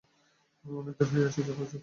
অনেক দেরি করে এসেছেন, প্রফেসর।